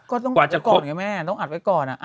ก็ต้องอัดไว้ก่อนไงแม่ต้องอัดไว้ก่อนอ่ะ